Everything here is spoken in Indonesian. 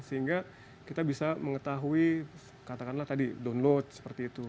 sehingga kita bisa mengetahui katakanlah tadi download seperti itu